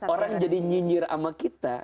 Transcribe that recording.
orang jadi nyinyir sama kita